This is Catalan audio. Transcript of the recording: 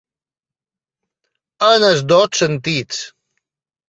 En els dos sentits.